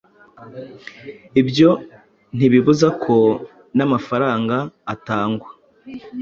Ibyo ntibibuza ko n’amafaranga atangwa